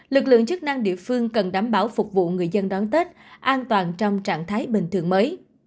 lực lượng chức năng địa phương cần đảm bảo phục vụ người dân đón tết an toàn trong trạng thái bình thường mới